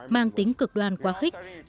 mang tính cực đoan quá khích